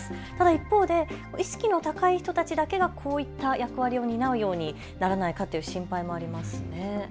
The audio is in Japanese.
一方で意識の高い人たちだけがこういった役割を担うようにならないかという心配もありますね。